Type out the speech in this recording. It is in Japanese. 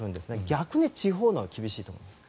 逆に地方のほうが厳しいと思います。